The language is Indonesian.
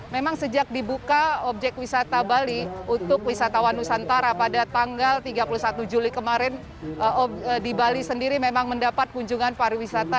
memang sejak dibuka objek wisata bali untuk wisatawan nusantara pada tanggal tiga puluh satu juli kemarin di bali sendiri memang mendapat kunjungan pariwisata